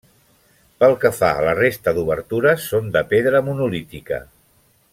Pel que fa a la resta d’obertures, són de pedra monolítica.